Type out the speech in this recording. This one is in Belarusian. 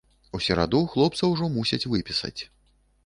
У сераду хлопца ўжо мусяць выпісаць.